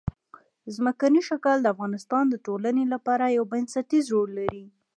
ځمکنی شکل د افغانستان د ټولنې لپاره یو بنسټيز رول لري.